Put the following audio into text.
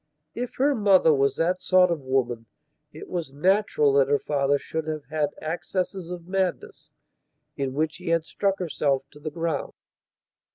If her mother was that sort of woman it was natural that her father should have had accesses of madness in which he had struck herself to the ground.